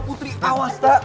putri awas tak